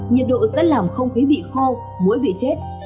nhiệt độ sẽ làm không khí bị khô mũi bị chết